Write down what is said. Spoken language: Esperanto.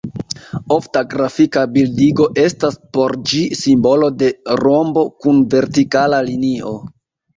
Ofta grafika bildigo estas por ĝi simbolo de rombo kun vertikala linio.